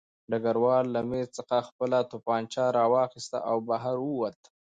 ډګروال له مېز څخه خپله توپانچه راواخیسته او بهر ووت